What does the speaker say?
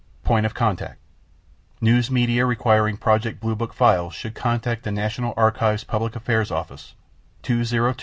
Point of Contact News media requiring Project Blue Book files should contact the National Archives Public Affairs Office, (202) 501 5525.